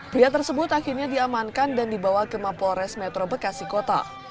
pria tersebut akhirnya diamankan dan dibawa ke mapolres metro bekasi kota